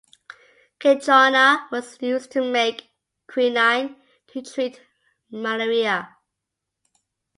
Cinchona was used to make quinine to treat malaria.